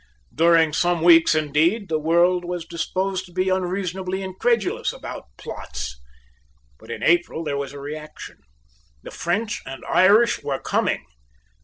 During some weeks, indeed, the world was disposed to be unreasonably incredulous about plots. But in April there was a reaction. The French and Irish were coming.